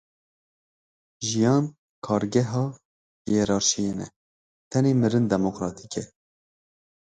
Jiyan kargeha hiyerarşiyan e, tenê mirin demokratîk e.